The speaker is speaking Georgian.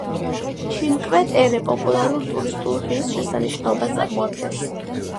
ჩინკვე-ტერე პოპულარულ ტურისტულ ღირსშესანიშნაობას წარმოადგენს.